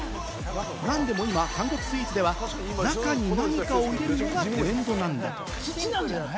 なんでも今、韓国スイーツでは、中に何かを入れるのがトレンドなんだとか。